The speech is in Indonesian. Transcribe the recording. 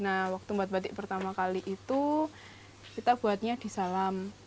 nah waktu membuat batik pertama kali itu kita buatnya di salam